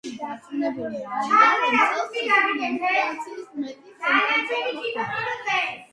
მისი ტერიტორია ემთხვევა თანამედროვე სლოვაკეთის ტერიტორიას.